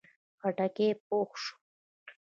خټکی پوخ شو.